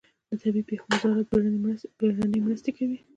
د طبیعي پیښو وزارت بیړنۍ مرستې کوي